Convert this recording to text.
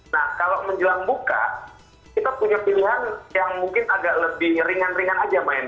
nah kalau menjelang buka kita punya pilihan yang mungkin agak lebih ringan ringan aja main